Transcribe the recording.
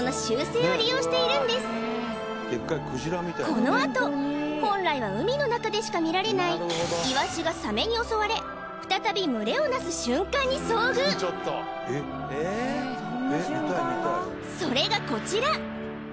このあと本来は海の中でしか見られないイワシがサメに襲われ再び群れをなす瞬間に遭遇それがこちら！